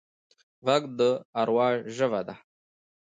غږ د اروا ژبه ده